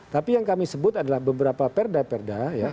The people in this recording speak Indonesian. tapi yang kami sebut adalah beberapa perda perda